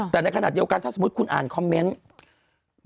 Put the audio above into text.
แต่ในขณะเดียวกันถ้าสมมุติคุณอ่านคอมเมนต์